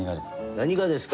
「何がですか」